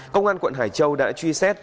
công an quận hải châu đã truy xét